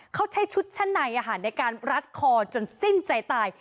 เขาใช้ชุดชั้นในในการรัดคอจนสิ้นใจตาย